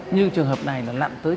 nhưng trường hợp này là lặn tươi